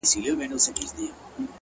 په دې وطن كي نستــه بېـــله بنگه ككــرۍ”